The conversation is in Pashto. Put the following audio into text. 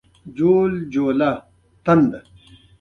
خو پښتو دومره ځواکمنه ده چې وس ولري که یې نه وي.